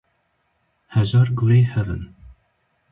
Hejar gurê hev in.